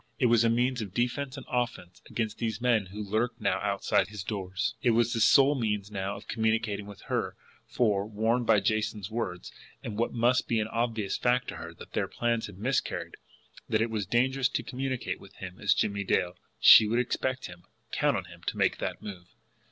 It was a means of defense and offense against these men who lurked now outside his doors. It was the sole means now of communication with her; for, warned both by Jason's words, and what must be an obvious fact to her, that their plans had miscarried, that it was dangerous to communicate with him as Jimmie Dale, she would expect him, count on him to make that move.